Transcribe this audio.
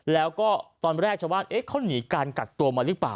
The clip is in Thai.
แล้วก็ตอนแรกชาวบ้านเขาหนีการกักตัวมาหรือเปล่า